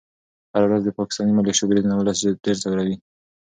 هره ورځ د پاکستاني ملیشو بریدونه ولس ډېر ځوروي.